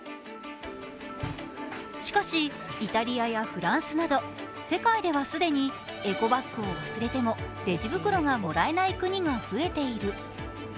しかしイタリアやフランスなど世界では既にエコバッグを忘れてもレジ袋がもらえない国が増えている。